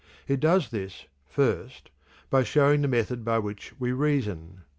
It does this, first, by showing the method by which we reason.